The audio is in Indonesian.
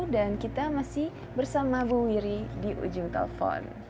dan kita masih bersama bu wiri di ujung telepon